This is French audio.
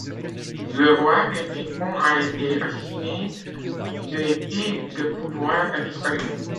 Le roi des Britons a été assassiné et l’Épée de pouvoir a disparu.